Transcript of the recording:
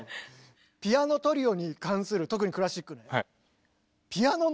ピアノトリオに関する特にクラシックね。